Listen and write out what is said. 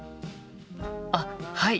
あっはい！